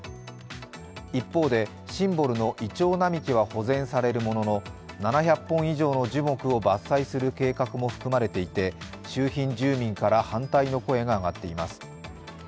一方でシンボルのイチョウ並木は保全されるものの７００本以上の樹木を伐採する計画も含まれていて、周辺住民から反対の声が上がっています。